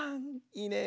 いいね。